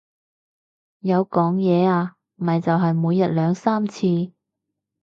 有講嘢啊，咪就係每日兩三次